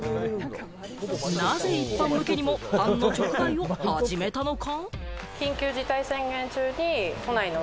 なぜ一般向けにもパンの直売を始めたのか？